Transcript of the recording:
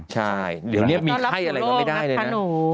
ใช่เดี๋ยวนี้มีไข้อะไรก็ไม่ได้เลยนะ